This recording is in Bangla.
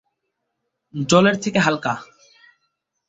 জলের থেকে হালকা।